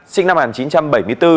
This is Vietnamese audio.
sinh năm một nghìn chín trăm chín mươi